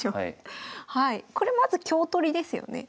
これまず香取りですよね。